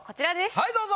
はいどうぞ。